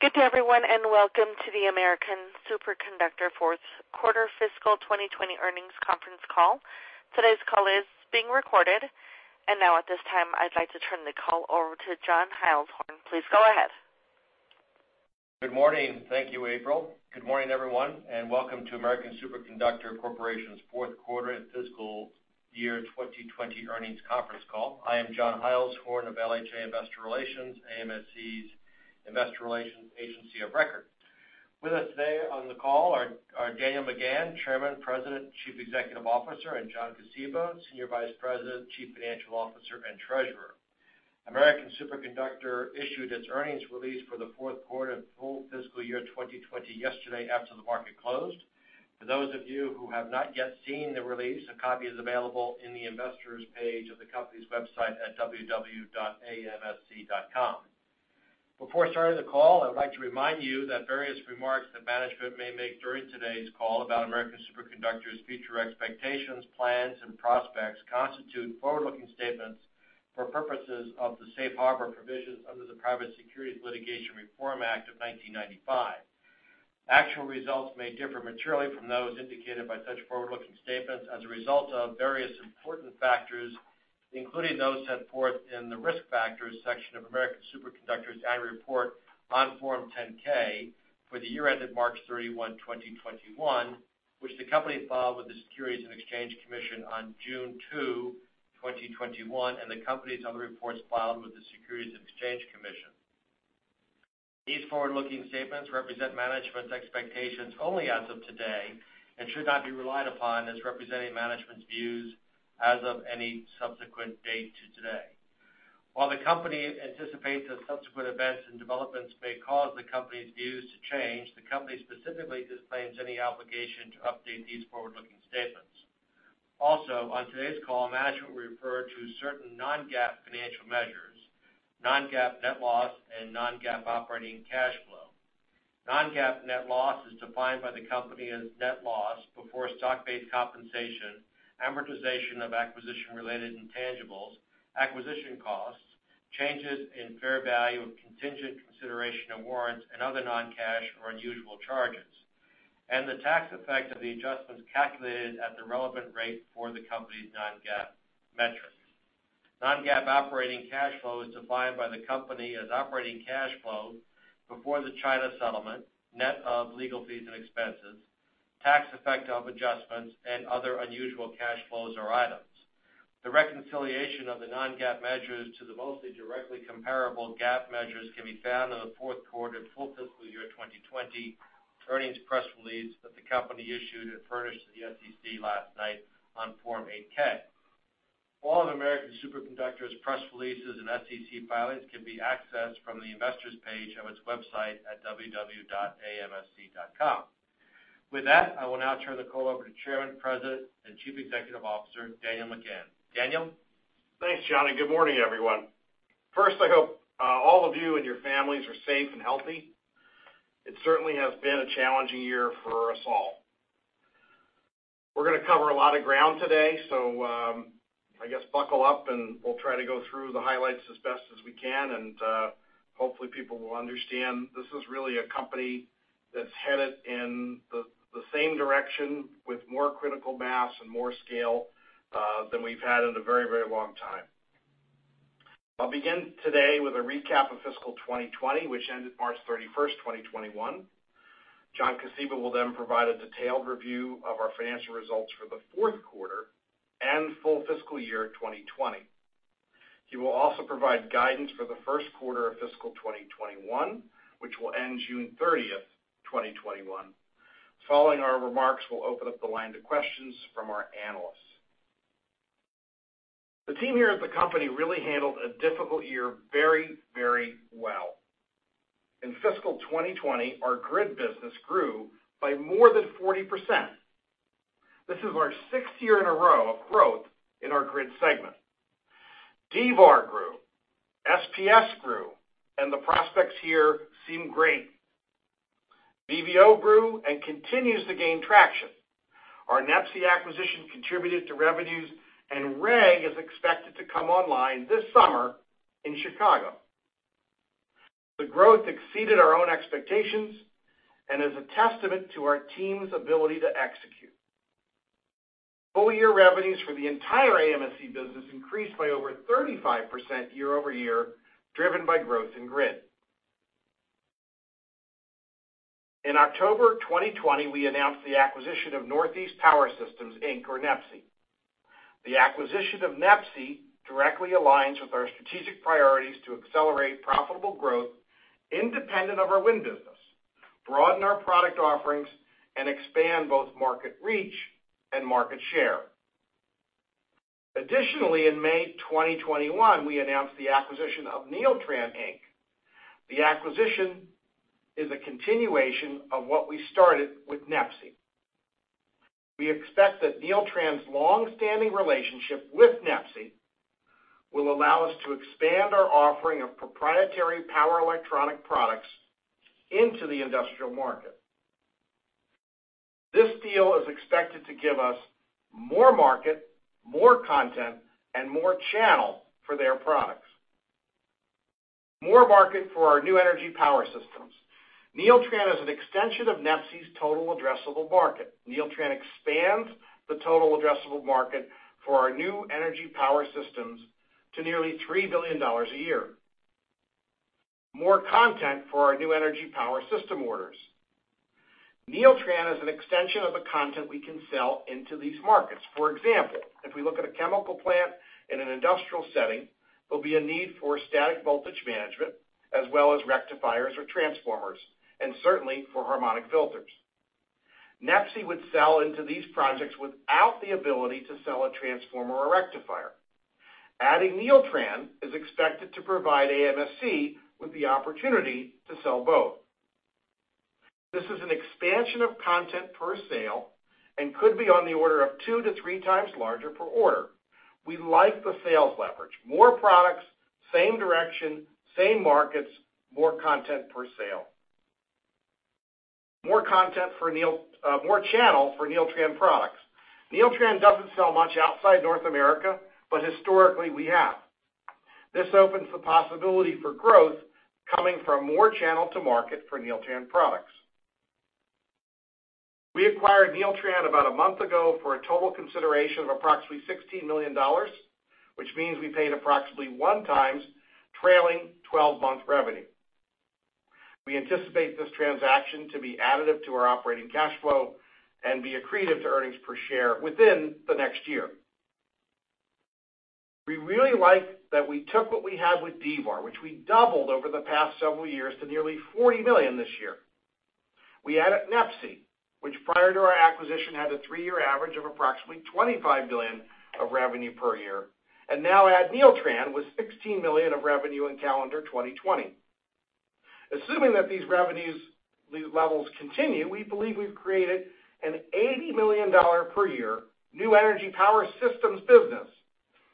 Good day, everyone, and welcome to the American Superconductor fourth quarter fiscal 2020 earnings conference call. Today's call is being recorded. Now at this time, I'd like to turn the call over to John Hildreth. Please go ahead. Good morning. Thank you, April. Good morning, everyone, and welcome to American Superconductor Corporation's fourth quarter fiscal year 2020 earnings conference call. I am John Hildhorn of LHA Investor Relations, AMSC's investor relations agency of record. With us today on the call are Daniel McGahn, Chairman, President, Chief Executive Officer, and John Kosiba, Senior Vice President, Chief Financial Officer, and Treasurer. American Superconductor issued its earnings release for the fourth quarter full fiscal year 2020 yesterday after the market closed. For those of you who have not yet seen the release, a copy is available in the investors page of the company's website at www.amsc.com. Before starting the call, I'd like to remind you that various remarks that management may make during today's call about American Superconductor's future expectations, plans, and prospects constitute forward-looking statements for purposes of the safe harbor provisions under the Private Securities Litigation Reform Act of 1995. Actual results may differ materially from those indicated by such forward-looking statements as a result of various important factors, including those set forth in the Risk Factors section of American Superconductor's annual report on Form 10-K for the year ended March 31, 2021, which the company filed with the Securities and Exchange Commission on June 2, 2021, and the company's other reports filed with the Securities and Exchange Commission. These forward-looking statements represent management's expectations only as of today and should not be relied upon as representing management's views as of any subsequent date to today. While the company anticipates that subsequent events and developments may cause the company's views to change, the company specifically disclaims any obligation to update these forward-looking statements. Also, on today's call, management will refer to certain non-GAAP financial measures, non-GAAP net loss, and non-GAAP operating cash flow. Non-GAAP net loss is defined by the company as net loss before stock-based compensation, amortization of acquisition-related intangibles, acquisition costs, changes in fair value of contingent consideration of warrants, and other non-cash or unusual charges, and the tax effect of the adjustments calculated at the relevant rate for the company's non-GAAP metrics. Non-GAAP operating cash flow is defined by the company as operating cash flow before the China settlement, net of legal fees and expenses, tax effect of adjustments, and other unusual cash flows or items. The reconciliation of the non-GAAP measures to the mostly directly comparable GAAP measures can be found in the fourth quarter full fiscal year 2020 earnings press release that the company issued and furnished to the SEC last night on Form 8-K. All of American Superconductor's press releases and SEC filings can be accessed from the investors page of its website at www.amsc.com. With that, I will now turn the call over to Chairman, President, and Chief Executive Officer, Daniel McGahn. Daniel? Thanks, John. Good morning, everyone. First, I hope all of you and your families are safe and healthy. It certainly has been a challenging year for us all. We're going to cover a lot of ground today, so I guess buckle up and we'll try to go through the highlights as best as we can, and hopefully people will understand this is really a company that's headed in the same direction with more critical mass and more scale than we've had in a very long time. I'll begin today with a recap of fiscal 2020, which ended March 31, 2021. John Kosiba will provide a detailed review of our financial results for the fourth quarter and full fiscal year 2020. He will also provide guidance for the first quarter of fiscal 2021, which will end June 30, 2021. Following our remarks, we'll open up the line to questions from our analysts. The team here at the company really handled a difficult year very well. In fiscal 2020, our grid business grew by more than 40%. This is our sixth year in a row of growth in our grid segment. D-VAR grew, SPS grew, and the prospects here seem great. D-VAR VVO grew and continues to gain traction. Our NEPSI acquisition contributed to revenues, and REG is expected to come online this summer in Chicago. The growth exceeded our own expectations and is a testament to our team's ability to execute. Full-year revenues for the entire AMSC business increased by over 35% year-over-year, driven by growth in grid. In October 2020, we announced the acquisition of Northeast Power Systems, Inc., or NEPSI. The acquisition of NEPSI directly aligns with our strategic priorities to accelerate profitable growth independent of our wind business, broaden our product offerings, and expand both market reach and market share. Additionally, in May 2021, we announced the acquisition of Neeltran, Inc. The acquisition is a continuation of what we started with NEPSI. We expect that Neeltran's long-standing relationship with NEPSI will allow us to expand our offering of proprietary power electronic products into the industrial market. This deal is expected to give us more market, more content, and more channel for their products. More market for our new energy power systems. Neeltran is an extension of NEPSI's total addressable market. Neeltran expands the total addressable market for our new energy power systems to nearly $3 billion a year. More content for our new energy power system orders. Neeltran is an extension of the content we can sell into these markets. For example, if we look at a chemical plant in an industrial setting, there'll be a need for static voltage management as well as rectifiers or transformers, and certainly for harmonic filters. NEPSI would sell into these projects without the ability to sell a transformer or rectifier. Adding Neeltran is expected to provide AMSC with the opportunity to sell both. This is an expansion of content per sale and could be on the order of two to three times larger per order. We like the sales leverage. More products, same direction, same markets, more content per sale. More channel for Neeltran products. Neeltran doesn't sell much outside North America, but historically we have. This opens the possibility for growth coming from more channel to market for Neeltran products. We acquired Neeltran about a month ago for a total consideration of approximately $16 million, which means we paid approximately 1 times trailing 12-month revenue. We anticipate this transaction to be additive to our operating cash flow and be accretive to earnings per share within the next year. We really like that we took what we had with D-VAR, which we doubled over the past several years to nearly $40 million this year. We added NEPSI, which prior to our acquisition, had a three-year average of approximately $25 million of revenue per year, and now add Neeltran with $16 million of revenue in calendar 2020. Assuming that these revenues, these levels continue, we believe we've created an $80 million per year new energy power systems business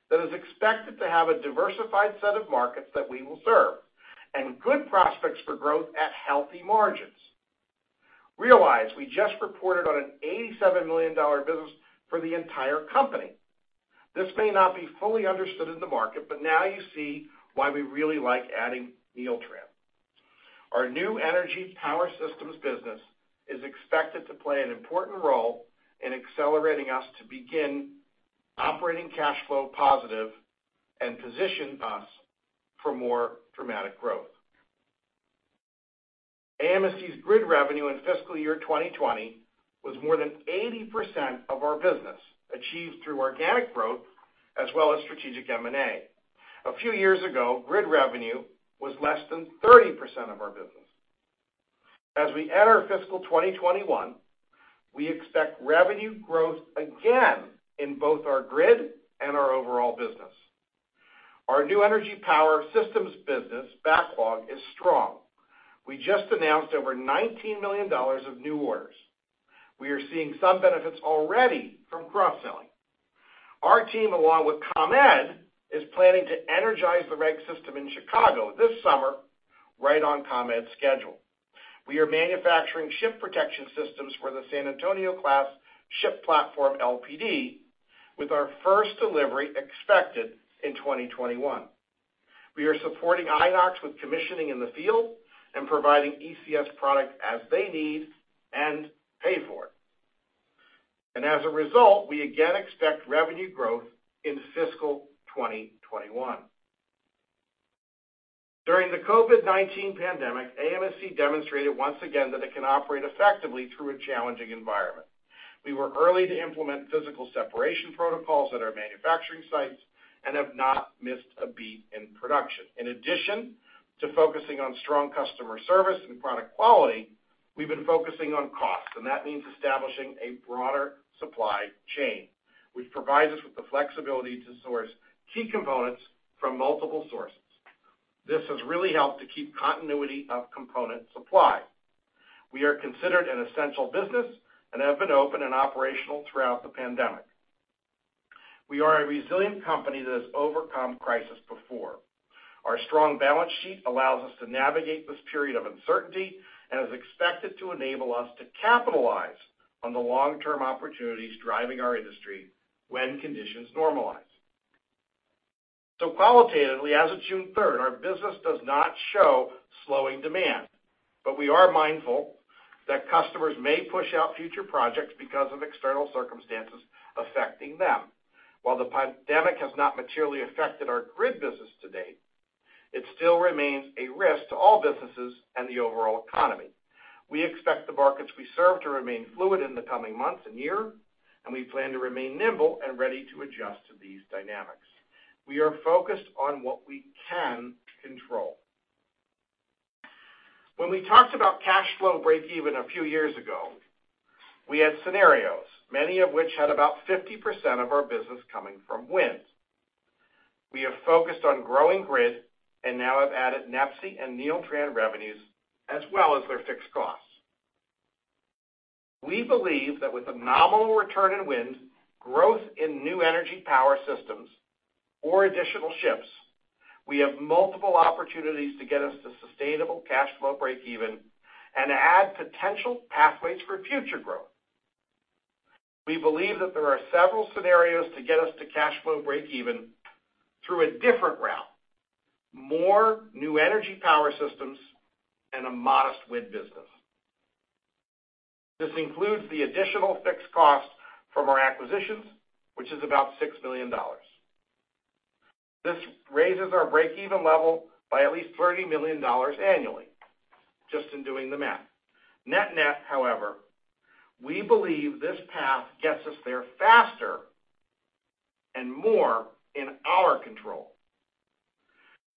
that is expected to have a diversified set of markets that we will serve, and good prospects for growth at healthy margins. Realize we just reported on an $87 million business for the entire company. This may not be fully understood in the market, but now you see why we really like adding Neeltran. Our new energy power systems business is expected to play an important role in accelerating us to begin operating cash flow positive and position us for more dramatic growth. AMSC's grid revenue in fiscal year 2020 was more than 80% of our business, achieved through organic growth as well as strategic M&A. A few years ago, grid revenue was less than 30% of our business. As we enter fiscal 2021, we expect revenue growth again in both our grid and our overall business. Our new energy power systems business backlog is strong. We just announced over $19 million of new orders. We are seeing some benefits already from cross-selling. Our team, along with ComEd, is planning to energize the REG system in Chicago this summer right on ComEd's schedule. We are manufacturing Ship Protection Systems for the San Antonio class ship platform LPD, with our first delivery expected in 2021. We are supporting Inox with commissioning in the field and providing ECS product as they need and pay for it. As a result, we again expect revenue growth in fiscal 2021. During the COVID-19 pandemic, AMSC demonstrated once again that it can operate effectively through a challenging environment. We were early to implement physical separation protocols at our manufacturing sites and have not missed a beat in production. In addition to focusing on strong customer service and product quality, we've been focusing on cost, and that means establishing a broader supply chain, which provides us with the flexibility to source key components from multiple sources. This has really helped to keep continuity of component supply. We are considered an essential business and have been open and operational throughout the pandemic. We are a resilient company that has overcome crisis before. Our strong balance sheet allows us to navigate this period of uncertainty and is expected to enable us to capitalize on the long-term opportunities driving our industry when conditions normalize. Qualitatively, as of June 3rd, our business does not show slowing demand, but we are mindful that customers may push out future projects because of external circumstances affecting them. While the pandemic has not materially affected our grid business to date, it still remains a risk to all businesses and the overall economy. We expect the markets we serve to remain fluid in the coming months and year, and we plan to remain nimble and ready to adjust to these dynamics. We are focused on what we can control. When we talked about cash flow breakeven a few years ago, we had scenarios, many of which had about 50% of our business coming from wind. We have focused on growing grid and now have added NEPSI and Neeltran revenues as well as their fixed costs. We believe that with a nominal return in wind, growth in new energy power systems or additional ships, we have multiple opportunities to get us to sustainable cash flow breakeven and add potential pathways for future growth. We believe that there are several scenarios to get us to cash flow breakeven through a different route, more new energy power systems, and a modest wind business. This includes the additional fixed cost from our acquisitions, which is about $6 million. This raises our breakeven level by at least $30 million annually, just in doing the math. Net net, however, we believe this path gets us there faster and more in our control.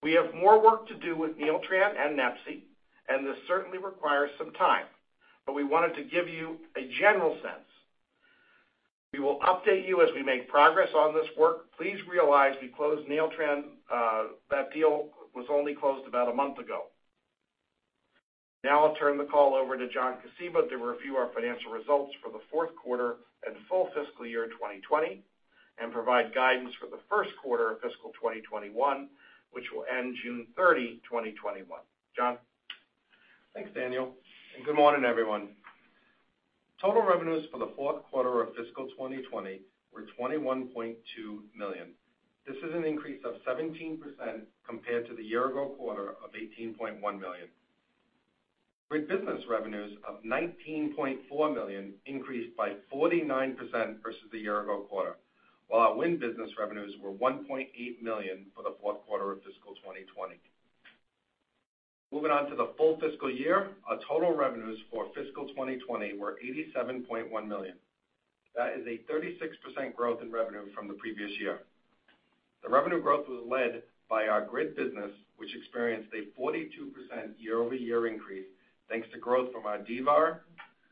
We have more work to do with Neeltran and NEPSI, and this certainly requires some time, but we wanted to give you a general sense. We will update you as we make progress on this work. Please realize that deal was only closed about a month ago. Now I'll turn the call over to John Kosiba to review our financial results for the fourth quarter and full fiscal year 2020 and provide guidance for the first quarter of fiscal 2021, which will end June 30, 2021. John? Thanks, Daniel. Good morning, everyone. Total revenues for the fourth quarter of fiscal 2020 were $21.2 million. This is an increase of 17% compared to the year-ago quarter of $18.1 million. Grid business revenues of $19.4 million increased by 49% versus the year-ago quarter, while our wind business revenues were $1.8 million for the fourth quarter of fiscal 2020. Moving on to the full fiscal year, our total revenues for fiscal 2020 were $87.1 million. That is a 36% growth in revenue from the previous year. The revenue growth was led by our grid business, which experienced a 42% year-over-year increase, thanks to growth from our D-VAR,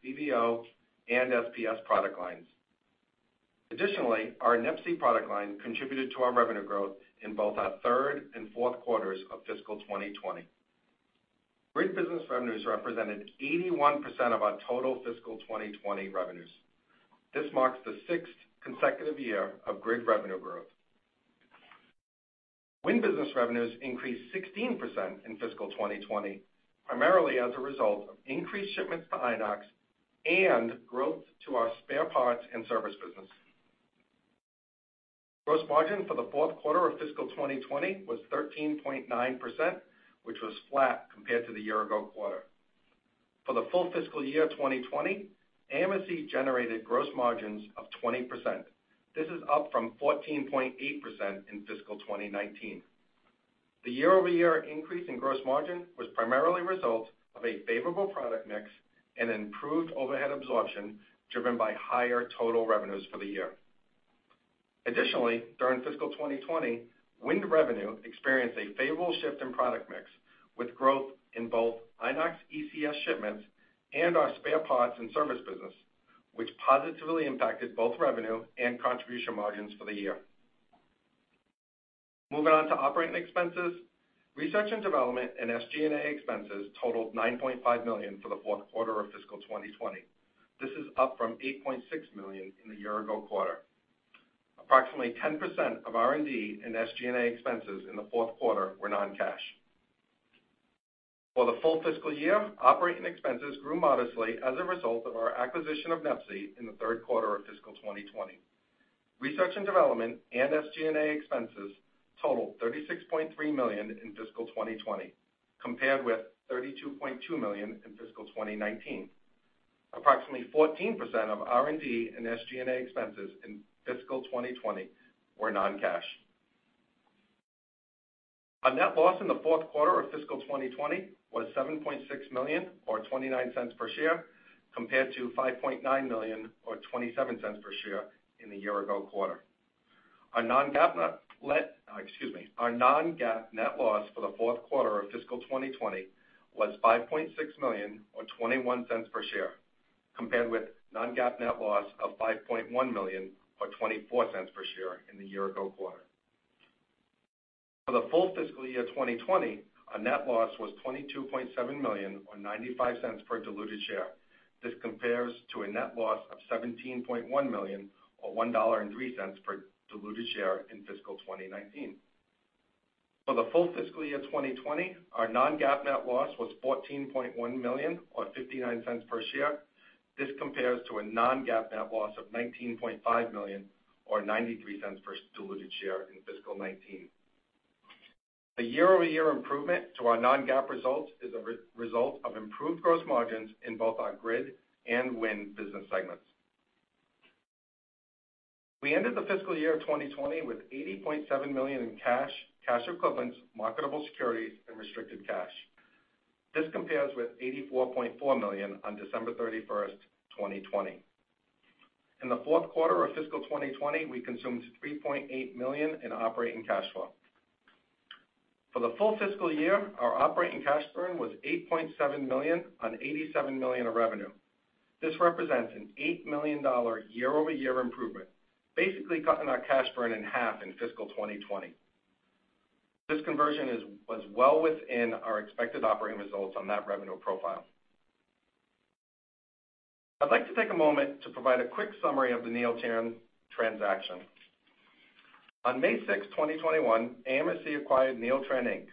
D-VAR VVO, and SPS product lines. Additionally, our NEPSI product line contributed to our revenue growth in both our third and fourth quarters of fiscal 2020. Grid business revenues represented 81% of our total fiscal 2020 revenues. This marks the sixth consecutive year of grid revenue growth. Wind business revenues increased 16% in fiscal 2020, primarily as a result of increased shipments to Inox and growth to our spare parts and service business. Gross margin for the fourth quarter of fiscal 2020 was 13.9%, which was flat compared to the year-ago quarter. For the full fiscal year 2020, AMSC generated gross margins of 20%. This is up from 14.8% in fiscal 2019. The year-over-year increase in gross margin was primarily a result of a favorable product mix and improved overhead absorption driven by higher total revenues for the year. Additionally, during fiscal 2020, wind revenue experienced a favorable shift in product mix with growth in both Inox ECS shipments and our spare parts and service business, which positively impacted both revenue and contribution margins for the year. Moving on to operating expenses. Research and development and SG&A expenses totaled $9.5 million for the fourth quarter of fiscal 2020. This is up from $8.6 million in the year ago quarter. Approximately 10% of R&D and SG&A expenses in the fourth quarter were non-cash. For the full fiscal year, operating expenses grew modestly as a result of our acquisition of NEPSI in the third quarter of fiscal 2020. Research and development and SG&A expenses totaled $36.3 million in fiscal 2020, compared with $32.2 million in fiscal 2019. Approximately 14% of R&D and SG&A expenses in fiscal 2020 were non-cash. Our net loss in the fourth quarter of fiscal 2020 was $7.6 million, or $0.29 per share, compared to $5.9 million or $0.27 per share in the year ago quarter. Our non-GAAP net loss for the fourth quarter of fiscal 2020 was $5.6 million, or $0.21 per share, compared with non-GAAP net loss of $5.1 million or $0.24 per share in the year ago quarter. For the full fiscal year 2020, our net loss was $22.7 million, or $0.95 per diluted share. This compares to a net loss of $17.1 million or $1.03 per diluted share in fiscal 2019. For the full fiscal year 2020, our non-GAAP net loss was $14.1 million or $0.59 per share. This compares to a non-GAAP net loss of $19.5 million or $0.93 per diluted share in fiscal 2019. The year-over-year improvement to our non-GAAP results is a result of improved gross margins in both our Grid and Wind business segments. We ended the fiscal year 2020 with $80.7 million in cash equivalents, marketable securities, and restricted cash. This compares with $84.4 million on December 31, 2020. In the fourth quarter of fiscal 2020, we consumed $3.8 million in operating cash flow. For the full fiscal year, our operating cash burn was $8.7 million on $87 million of revenue. This represents an $8 million year-over-year improvement, basically cutting our cash burn in half in fiscal 2020. This conversion was well within our expected operating results on that revenue profile. I'd like to take a moment to provide a quick summary of the Neeltran transaction. On May 6, 2021, AMSC acquired Neeltran, Inc.,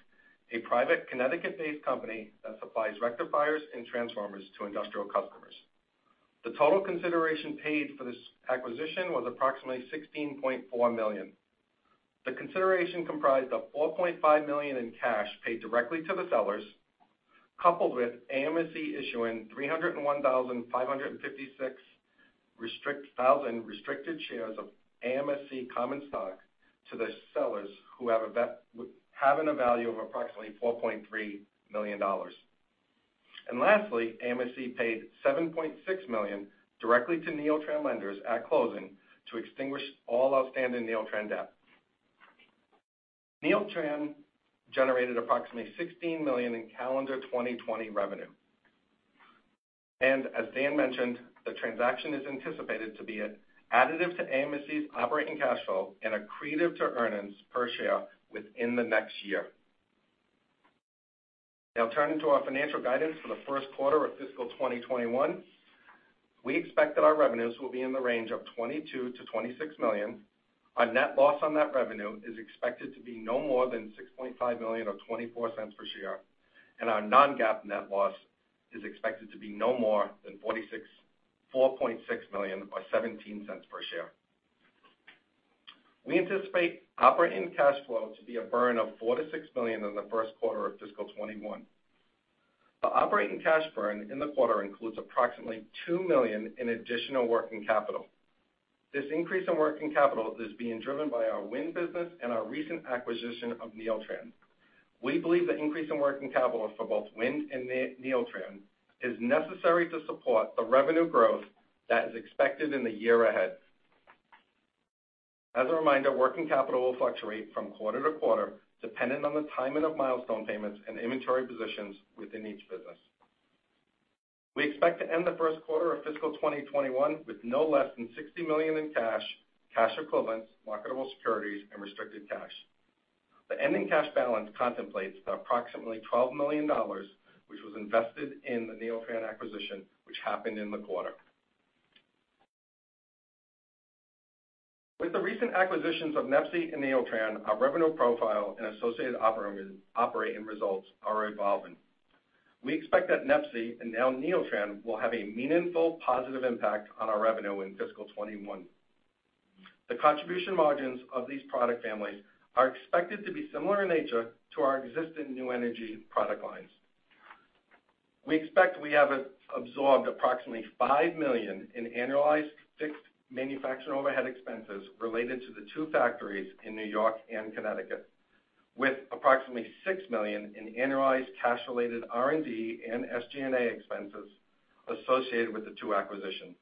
a private Connecticut-based company that supplies rectifiers and transformers to industrial customers. The total consideration paid for this acquisition was approximately $16.4 million. The consideration comprised of $4.5 million in cash paid directly to the sellers, coupled with AMSC issuing 301,556 restricted shares of AMSC common stock to the sellers, having a value of approximately $4.3 million. Lastly, AMSC paid $7.6 million directly to Neeltran lenders at closing to extinguish all outstanding Neeltran debt. Neeltran generated approximately $16 million in calendar 2020 revenue. As Daniel mentioned, the transaction is anticipated to be additive to AMSC's operating cash flow and accretive to earnings per share within the next year. Now turning to our financial guidance for the first quarter of fiscal 2021. We expect that our revenues will be in the range of $22 million-$26 million. Our net loss on that revenue is expected to be no more than $6.5 million or $0.24 per share. Our non-GAAP net loss is expected to be no more than $4.6 million or $0.17 per share. We anticipate operating cash flow to be a burn of $4 million-$6 million in the first quarter of fiscal 2021. The operating cash burn in the quarter includes approximately $2 million in additional working capital. This increase in working capital is being driven by our Wind business and our recent acquisition of Neeltran. We believe the increase in working capital for both Wind and Neeltran is necessary to support the revenue growth that is expected in the year ahead. As a reminder, working capital will fluctuate from quarter to quarter, dependent on the timing of milestone payments and inventory positions within each business. We expect to end the first quarter of fiscal 2021 with no less than $60 million in cash equivalents, marketable securities, and restricted cash. The ending cash balance contemplates the approximately $12 million, which was invested in the Neeltran acquisition, which happened in the quarter. With the recent acquisitions of NEPSI and Neeltran, our revenue profile and associated operating results are evolving. We expect that NEPSI and now Neeltran will have a meaningful positive impact on our revenue in fiscal 2021. The contribution margins of these product families are expected to be similar in nature to our existing new energy product lines. We expect we have absorbed approximately $5 million in annualized fixed manufacturing overhead expenses related to the two factories in New York and Connecticut. With approximately $6 million in annualized cash-related R&D and SG&A expenses associated with the two acquisitions.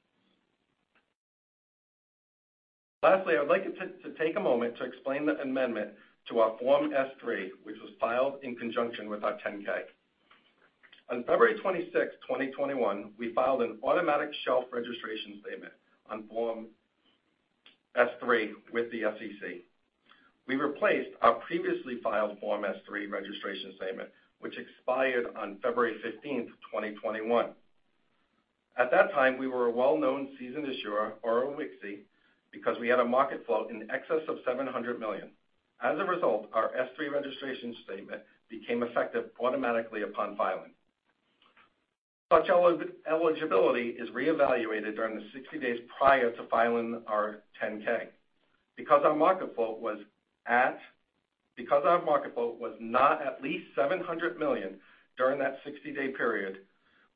Lastly, I'd like to take a moment to explain the amendment to our Form S-3, which was filed in conjunction with our 10-K. On February 26, 2021, we filed an automatic shelf registration statement on Form S-3 with the SEC. We replaced our previously filed Form S-3 registration statement, which expired on February 15, 2021. At that time, we were a Well-Known Seasoned Issuer or a WKSI because we had a market float in excess of $700 million. As a result, our S-3 registration statement became effective automatically upon filing. Such eligibility is reevaluated during the 60 days prior to filing our 10-K. Because our market float was not at least $700 million during that 60-day period,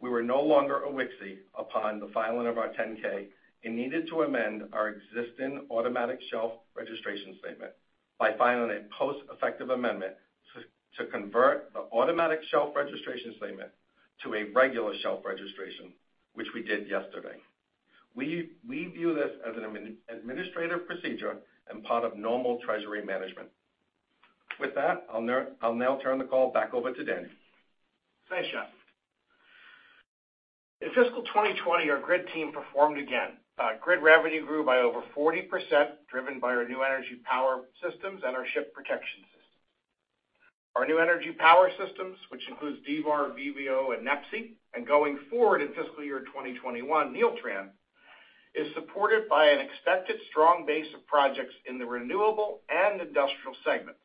we were no longer a WKSI upon the filing of our 10-K and needed to amend our existing automatic shelf registration statement by filing a post-effective amendment to convert the automatic shelf registration statement to a regular shelf registration, which we did yesterday. We view this as an administrative procedure and part of normal treasury management. With that, I'll now turn the call back over to Dan. Thanks, John. In fiscal 2020, our Grid team performed again. Grid revenue grew by over 40%, driven by our new energy power systems and our Ship Protection System. Our new energy power systems, which includes D-VAR, VVO, and NEPSI, going forward in fiscal year 2021, Neeltran, is supported by an expected strong base of projects in the renewable and industrial segments.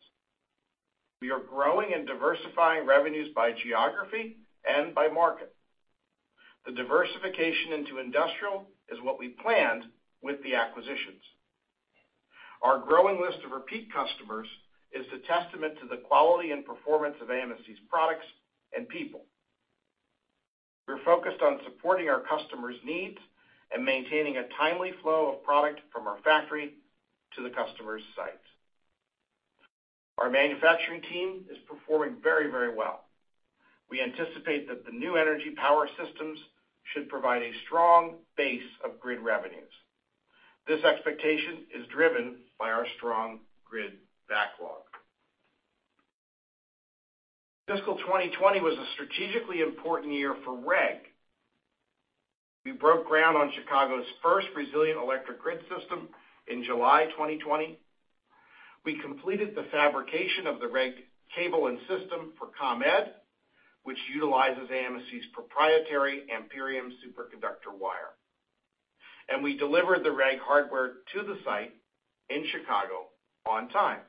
We are growing and diversifying revenues by geography and by market. The diversification into industrial is what we planned with the acquisitions. Our growing list of repeat customers is a testament to the quality and performance of AMSC's products and people. We're focused on supporting our customers' needs and maintaining a timely flow of product from our factory to the customer's site. Our manufacturing team is performing very, very well. We anticipate that the new energy power systems should provide a strong base of Grid revenues. This expectation is driven by our strong Grid backlog. Fiscal 2020 was a strategically important year for REG. We broke ground on Chicago's first resilient electric grid system in July 2020. We completed the fabrication of the REG cable and system for ComEd, which utilizes AMSC's proprietary Amperium superconductor wire. We delivered the REG hardware to the site in Chicago on time.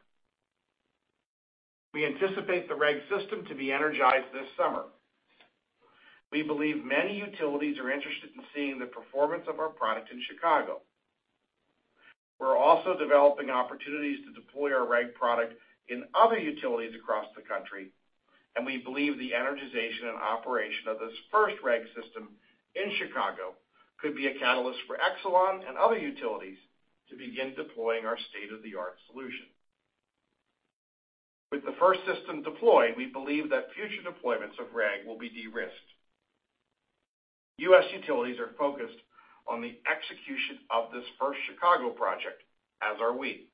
We anticipate the REG system to be energized this summer. We believe many utilities are interested in seeing the performance of our product in Chicago. We're also developing opportunities to deploy our REG product in other utilities across the country, and we believe the energization and operation of this first REG system in Chicago could be a catalyst for Exelon and other utilities to begin deploying our state-of-the-art solution. With the first system deployed, we believe that future deployments of REG will be de-risked. U.S. utilities are focused on the execution of this first Chicago project, as are we.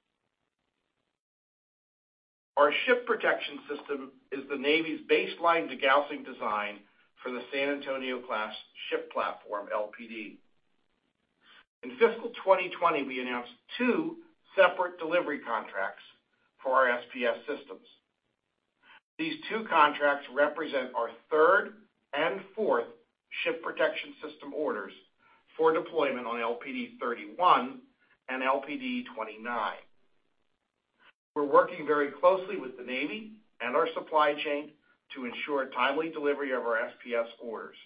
Our Ship Protection System is the Navy's baseline degaussing design for the San Antonio class ship platform, LPD. In fiscal 2020, we announced two separate delivery contracts for our SPS systems. These two contracts represent our third and fourth Ship Protection System orders for deployment on LPD 31 and LPD 29. We're working very closely with the Navy and our supply chain to ensure timely delivery of our SPS orders.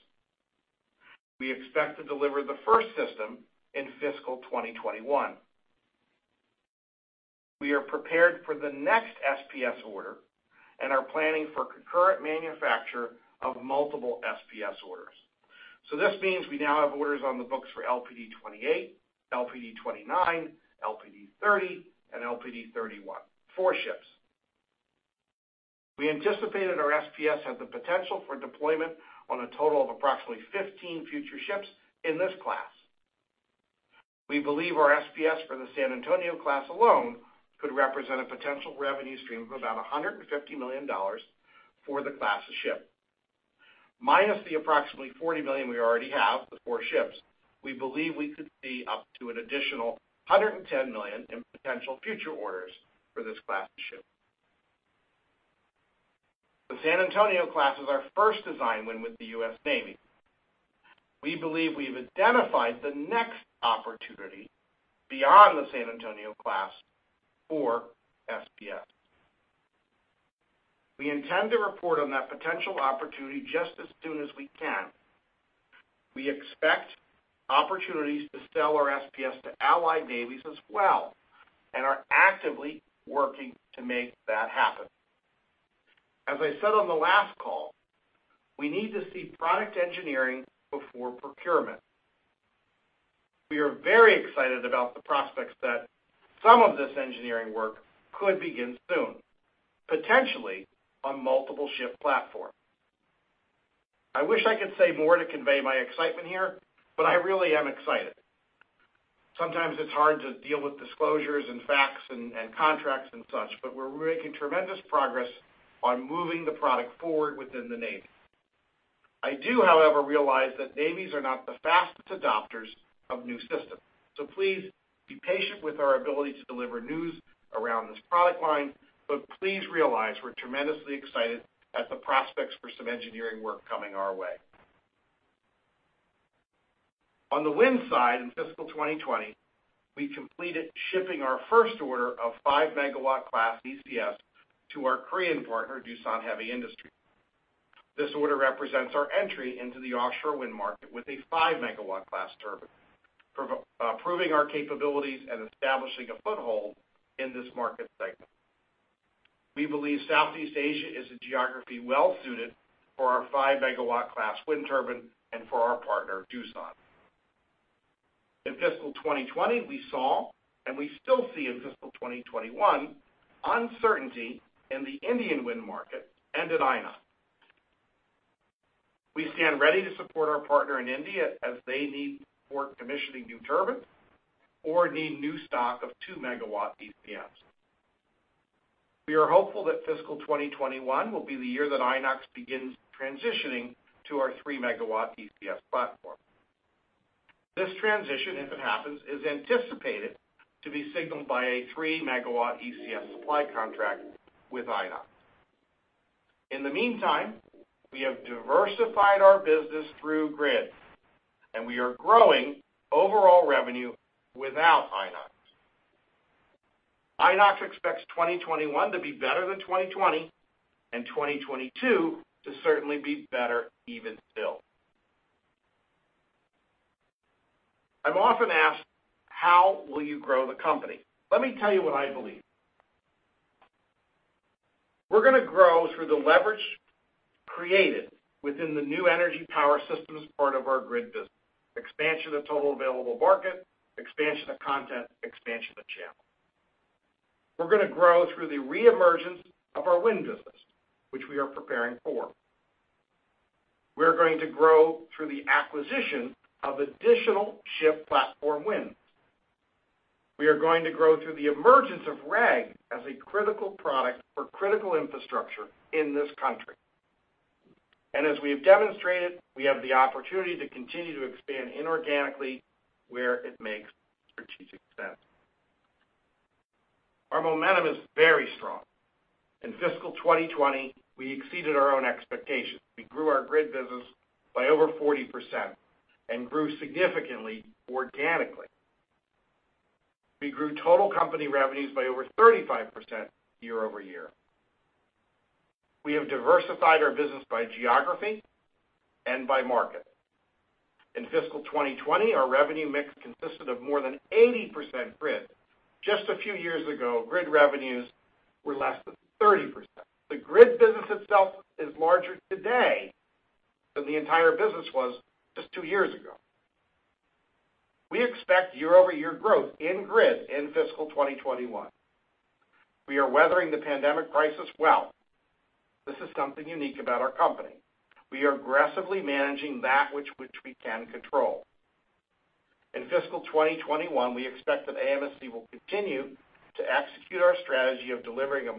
We expect to deliver the first system in fiscal 2021. We are prepared for the next SPS order and are planning for concurrent manufacture of multiple SPS orders. This means we now have orders on the books for LPD 28, LPD 29, LPD 30, and LPD 31, four ships. We anticipate that our SPS has the potential for deployment on a total of approximately 15 future ships in this class. We believe our SPS for the San Antonio class alone could represent a potential revenue stream of about $150 million for the class of ship. Minus the approximately $40 million we already have with four ships, we believe we could see up to an additional $110 million in potential future orders for this class of ship. The San Antonio class was our first design win with the U.S. Navy. We believe we've identified the next opportunity beyond the San Antonio class for SPS. We intend to report on that potential opportunity just as soon as we can. We expect opportunities to sell our SPS to allied navies as well and are actively working to make that happen. As I said on the last call, we need to see product engineering before procurement. We are very excited about the prospects that some of this engineering work could begin soon, potentially on multiple ship platforms. I wish I could say more to convey my excitement here, but I really am excited. Sometimes it's hard to deal with disclosures and facts and contracts and such, but we're making tremendous progress on moving the product forward within the Navy. I do, however, realize that navies are not the fastest adopters of new systems. Please be patient with our ability to deliver news around this product line, but please realize we're tremendously excited at the prospects for some engineering work coming our way. On the wind side, in fiscal 2020, we completed shipping our first order of 5-megawatt class ECS to our Korean partner, Doosan Heavy Industries. This order represents our entry into the offshore wind market with a 5-megawatt class turbine, proving our capabilities and establishing a foothold in this market segment. We believe Southeast Asia is a geography well-suited for our 5-megawatt class wind turbine and for our partner, Doosan. In fiscal 2020, we saw, and we still see in fiscal 2021, uncertainty in the Indian wind market and at Inox. We stand ready to support our partner in India as they need to support commissioning new turbines or need new stock of two-megawatt ECS. We are hopeful that fiscal 2021 will be the year that Inox begins transitioning to our three-megawatt ECS platform. This transition, if it happens, is anticipated to be signaled by a three-megawatt ECS supply contract with Inox. In the meantime, we have diversified our business through grids, and we are growing overall revenue without Inox. Inox expects 2021 to be better than 2020, and 2022 to certainly be better even still. I'm often asked, "How will you grow the company?" Let me tell you what I believe. We're going to grow through the leverage created within the new energy power systems part of our grid business, expansion of total available market, expansion of content, expansion of channel. We're going to grow through the re-emergence of our wind business, which we are preparing for. We are going to grow through the acquisition of additional ship platform wins. We are going to grow through the emergence of REG as a critical product for critical infrastructure in this country. As we have demonstrated, we have the opportunity to continue to expand inorganically where it makes strategic sense. Our momentum is very strong. In fiscal 2020, we exceeded our own expectations. We grew our grid business by over 40% and grew significantly organically. We grew total company revenues by over 35% year-over-year. We have diversified our business by geography and by market. In fiscal 2020, our revenue mix consisted of more than 80% grid. Just a few years ago, grid revenues were less than 30%. The grid business itself is larger today than the entire business was just two years ago. We expect year-over-year growth in grid in fiscal 2021. We are weathering the pandemic crisis well. This is something unique about our company. We are aggressively managing that which we can control. In fiscal 2021, we expect that AMSC will continue to execute our strategy of delivering